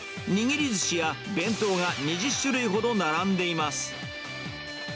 握りずしや弁当が２０種類ほど並んでいます。